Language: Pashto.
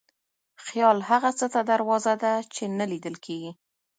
خیال هغه څه ته دروازه ده چې نه لیدل کېږي.